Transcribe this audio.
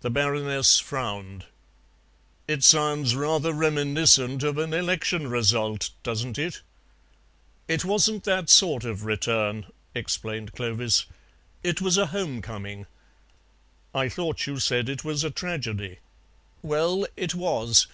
The Baroness frowned. "It sounds rather reminiscent of an election result, doesn't it?" "It wasn't that sort of return," explained Clovis; "it was a home coming." "I thought you said it was a tragedy." "Well, it was.